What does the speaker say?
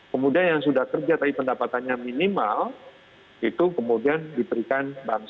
kemudian yang sudah kerja tapi pendapatannya minimal itu kemudian diberikan bank sen